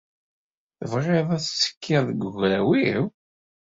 Tebɣiḍ ad tettekkiḍ d wegraw-iw?